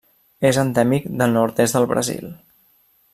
És endèmic del nord-est del Brasil.